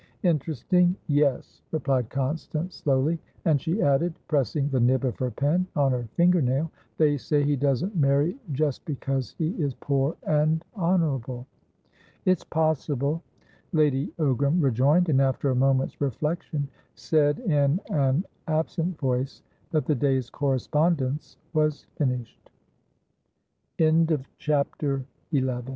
"Interestingyes," replied Constance, slowly. And she added, pressing the nib of her pen on her finger nail, "They say he doesn't marry just because he is poor and honourable." "It's possible," Lady Ogram rejoined, and, after a moment's reflection, said in an absent voice that the day's correspondence was finished. CHAPTER XII Though Mrs. Toplady